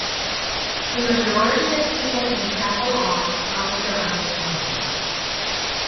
The majority of people in Chapel Arm own their own homes.